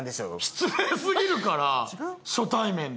失礼すぎるから初対面で。